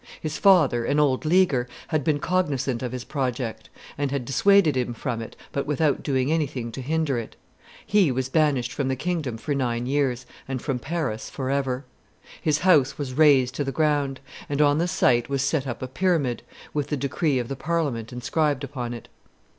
His father, an old Leaguer, had been cognizant of his project, and had dissuaded him from it, but without doing anything to hinder it; he was banished from the kingdom for nine years, and from Paris forever. His house was razed to the ground; and on the site was set up a pyramid with the decree of the Parliament inscribed upon it.